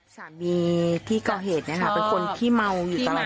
สามีพี่เกาเหตุเป็นคนที่เมาอยู่ตลอดเวลา